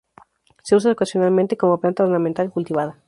Se usa ocasionalmente como planta ornamental, cultivada.